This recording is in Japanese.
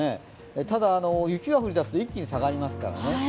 ただ、雪が降りだすと一気に下がりますからね。